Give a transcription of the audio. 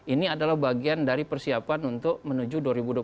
ini adalah bagian dari persiapan untuk menuju dua ribu dua puluh empat